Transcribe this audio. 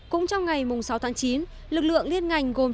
cũng trong ngày sáu tháng chín lực lượng liên ngành gồm